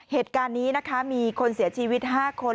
เหตุการณ์นี้นะคะมีคนเสียชีวิต๕คน